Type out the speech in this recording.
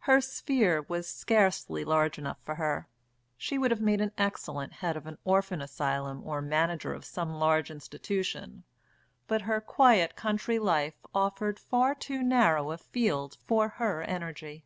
Her sphere was scarcely large enough for her, she would have made an excellent head of an orphan asylum or manager of some large institution, but her quiet country life offered far too narrow a field for her energy.